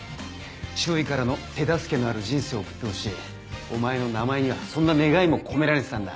周囲からの手助けのある人生を送ってほしいお前の名前にはそんな願いも込められてたんだ。